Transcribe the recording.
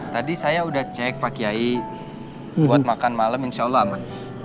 tadi saya sudah cek pak kiai buat makan malam insya allah aman